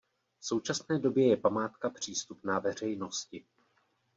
V současné době je památka přístupná veřejnosti.